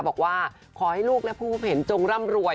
บอกว่าขอให้ลูกและผู้พบเห็นจงร่ำรวย